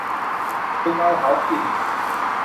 สุกเอาเผากิน